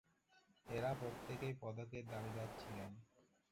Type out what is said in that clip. এঁরা প্রত্যেকেই পদকের দাবিদার ছিলেন।